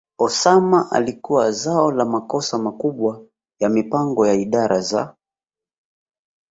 Osama alikuwa zao la makosa makubwa ya mipango ya idara za